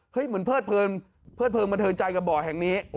เหมือนเพิดเลิงบันเทิงใจกับบ่อแห่งนี้